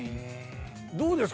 どうですか？